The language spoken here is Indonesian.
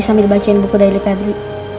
sambil bacain buku dari pebri